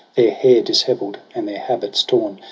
Their hair dishevel'd and their habits torn.